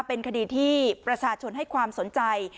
เป็นคดีที่ประชาชนให้ความสนใจ